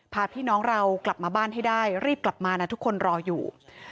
พาพี่น้องเรากลับมาบ้านให้ได้รีบกลับมานะทุกคนรออยู่